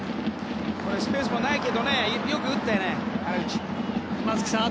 スペースもないけどよく打ったね、原口。